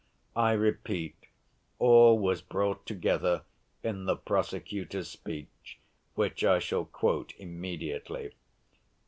I repeat, all was brought together in the prosecutor's speech, which I shall quote immediately.